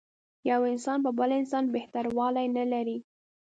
یو انسان په بل انسان بهتر والی نه لري.